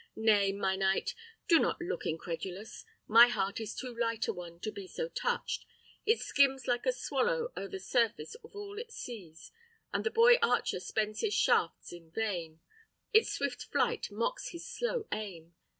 Nay, my knight, do not look incredulous; my heart is too light a one to be so touched. It skims like a swallow o'er the surface of all it sees, and the boy archer spends his shafts in vain; its swift flight mocks his slow aim.